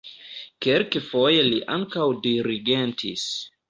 Kelkfoje li ankaŭ dirigentis.